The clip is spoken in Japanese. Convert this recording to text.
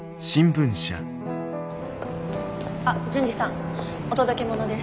あっ潤二さんお届け物です。